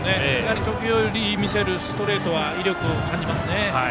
時折見せるストレートは威力を感じさせますね。